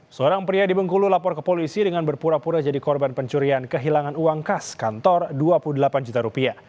seorang pria di bengkulu lapor ke polisi dengan berpura pura jadi korban pencurian kehilangan uang kas kantor rp dua puluh delapan juta rupiah